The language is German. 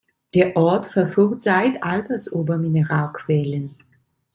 Der Ort verfügt seit alters über Mineralquellen.